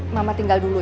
mama tinggal dulu ya